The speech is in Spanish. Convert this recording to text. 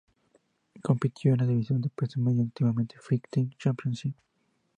Compitió en la división de peso medio de Ultimate Fighting Championship.